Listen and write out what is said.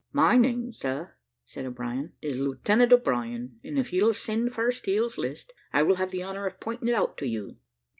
"My name, sir," said O'Brien, "is Lieutenant O'Brien; and if you'll send for a Steel's List, I will have the honour of pointing it out to you.